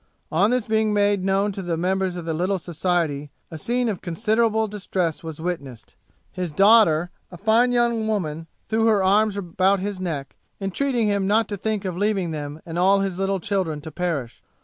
On this being made known to the members of the little society, a scene of considerable distress was witnessed; his daughter, a fine young woman, threw her arms about his neck, entreating him not to think of leaving them and all his little children to perish.